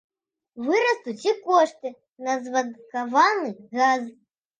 Вырастуць і кошты на звадкаваны газ.